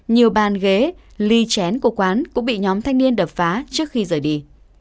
nhiều bàn ghế ly chén của quán cũng bị nhóm thanh niên đập phá trước khi rời đi